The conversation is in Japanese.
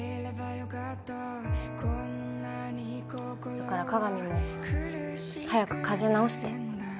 だから加賀美も早く風邪治して。